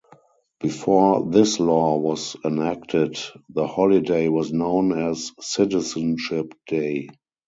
Before this law was enacted, the holiday was known as "Citizenship Day".